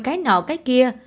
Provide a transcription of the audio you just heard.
cái nọ cái kia